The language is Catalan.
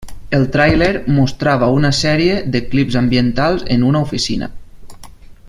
El tràiler mostrava una sèrie de clips ambientats en una oficina.